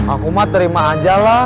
aku mah terima ajalah